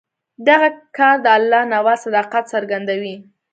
دغه کار د الله نواز صداقت څرګندوي.